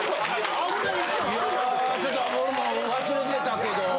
いやちょっと俺も忘れてたけど。